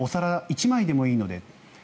お皿１枚でもいいので。